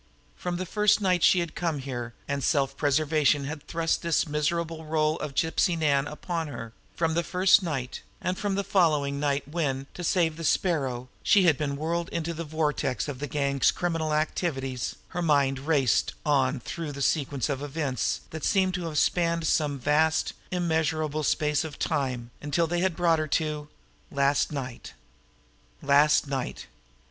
From the first night she had come here and self preservation had thrust this miserable role of Gypsy Nan upon her, from that first night and from the following night when, to save the Sparrow, she had been whirled into the vortex of the gang's criminal activities, her mind raced on through the sequence of events that seemed to have spanned some vast, immeasurable space of time until they had brought her to last night. Last night!